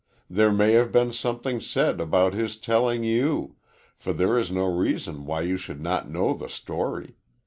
There may have been something said about his telling you, for there is no reason why you should not know the story.